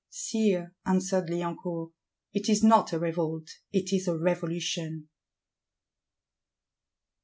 '—'Sire,' answered Liancourt, 'It is not a revolt, it is a revolution.